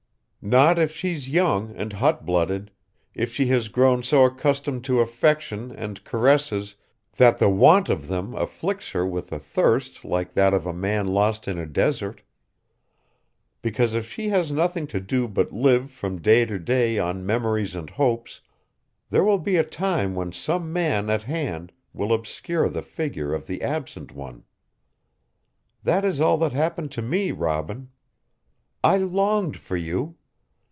Not if she's young and hot blooded, if she has grown so accustomed to affection and caresses that the want of them afflicts her with a thirst like that of a man lost in a desert. Because if she has nothing to do but live from day to day on memories and hopes, there will be a time when some man at hand will obscure the figure of the absent one. That is all that happened to me, Robin. I longed for you.